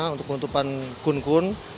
untuk penutupan kun kun